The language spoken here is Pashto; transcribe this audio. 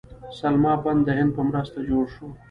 سلما بند د هند په مرسته جوړ شو